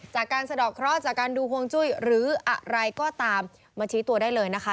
สะดอกเคราะห์จากการดูฮวงจุ้ยหรืออะไรก็ตามมาชี้ตัวได้เลยนะคะ